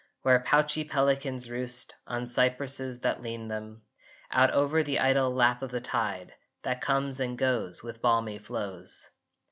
Where pouchy pelicans roost On cypresses that lean them Out over the idle lap of the tide That comes and goes with balmy flows!